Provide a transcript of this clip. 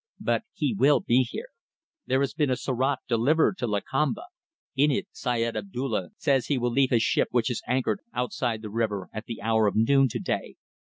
But he will be here. There has been a surat delivered to Lakamba. In it, Syed Abdulla says he will leave his ship, which is anchored outside the river, at the hour of noon to day.